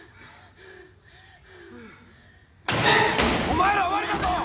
お前ら終わりだぞ！